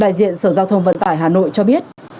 đại diện sở giao thông vận tải hà nội cho biết